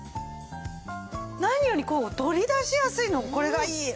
何よりこう取り出しやすいのこれがいい！